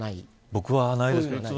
僕はないですね。